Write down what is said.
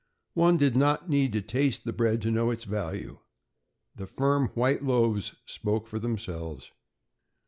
One did not need to taste that bread to know its value. The firm white loaves spoke for themselves.